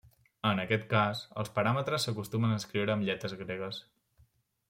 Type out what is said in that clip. En aquest cas els paràmetres s'acostumen a escriure amb lletres gregues.